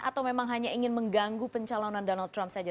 atau memang hanya ingin mengganggu pencalonan donald trump saja